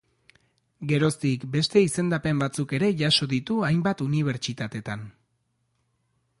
Geroztik, beste izendapen batzuk ere jaso ditu hainbat unibertsitatetan.